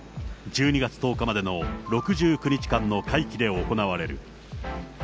１２月１０日までの６９日間の会期で行われる。